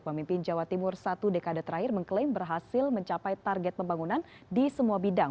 pemimpin jawa timur satu dekade terakhir mengklaim berhasil mencapai target pembangunan di semua bidang